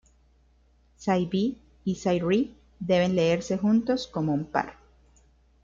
Side-B y Side-R deben leerse juntos como un par.